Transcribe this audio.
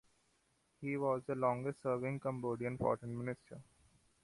He was the longest serving Cambodian foreign minister.